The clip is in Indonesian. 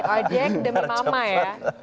ojek demi mama ya